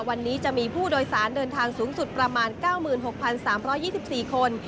วันนี้จะมีผู้โดยสารเดินทางสูงสุดประมาณ๙๖๓๒๔คน